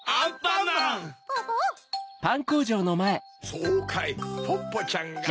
そうかいポッポちゃんが。